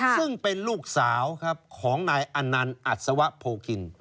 ซึ่งเป็นลูกสาวของนายอันนันอัสวะโพกิน